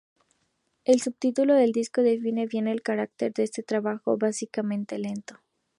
El subtítulo del disco define bien el carácter de este trabajo: "básicamente lento".